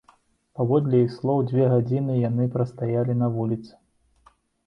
Паводле іх слоў, дзве гадзіны яны прастаялі на вуліцы.